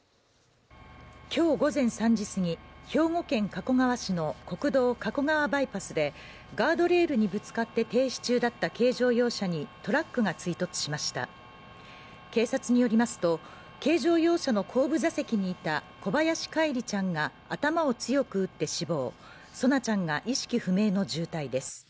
今日午前３時過ぎ兵庫県加古川市の国道加古川バイパスでガードレールにぶつかって停止中だった軽乗用車にトラックが追突しました警察によりますと軽乗用車の後部座席にいた小林叶一里ちゃんが頭を強く打って死亡蒼菜ちゃんが意識不明の重体です